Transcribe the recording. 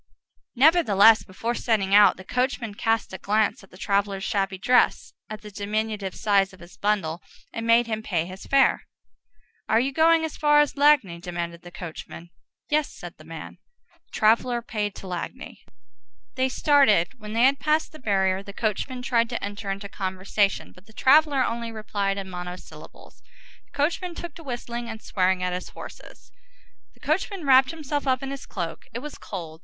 Nevertheless, before setting out, the coachman cast a glance at the traveller's shabby dress, at the diminutive size of his bundle, and made him pay his fare. "Are you going as far as Lagny?" demanded the coachman. "Yes," said the man. The traveller paid to Lagny. They started. When they had passed the barrier, the coachman tried to enter into conversation, but the traveller only replied in monosyllables. The coachman took to whistling and swearing at his horses. The coachman wrapped himself up in his cloak. It was cold.